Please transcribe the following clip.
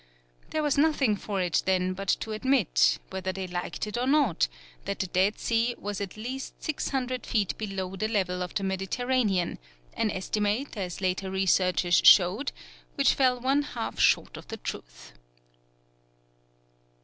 There was nothing for it then but to admit, whether they liked it or not, that the Dead Sea was at least 600 feet below the level of the Mediterranean, an estimate, as later researches showed, which fell one half short of the truth.